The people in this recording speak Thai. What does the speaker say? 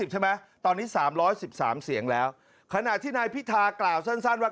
ใช่ไหมตอนนี้๓๑๓เสียงแล้วขณะที่นายพิธากล่าวสั้นว่า